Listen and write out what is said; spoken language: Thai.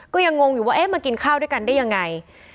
ก็ยังงงอยู่ว่าเอ๊ะมากินข้าวด้วยกันได้ยังไง